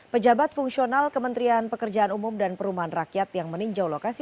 pejabat fungsional kementerian pekerjaan umum dan perumahan rakyat yang meninjau lokasi